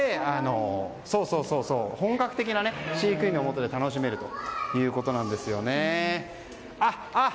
本格的な飼育員のもとで楽しめるということです。